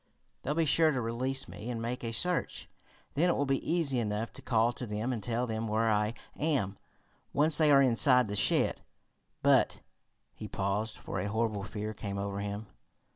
"They'll be sure to release me and make a search. Then it will be easy enough to call to them and tell them where I am, once they are inside the shed. But " He paused, for a horrible fear came over him.